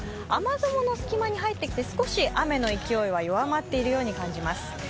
雨雲の隙間に入ってきて、少し雨の勢いは弱まっているように感じます。